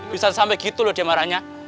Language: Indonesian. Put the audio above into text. bisa sampai gitu loh dia marahnya